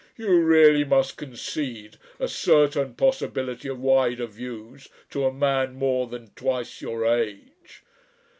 You really must concede a certain possibility of wider views to a man more than twice your age.